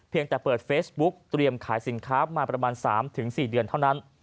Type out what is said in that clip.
แต่เปิดเฟซบุ๊กเตรียมขายสินค้ามาประมาณ๓๔เดือนเท่านั้น